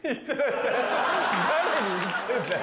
誰に言ってんだよ？